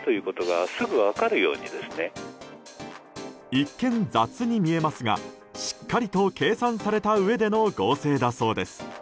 一見、雑に見えますがしっかりと計算されたうえでの合成だそうです。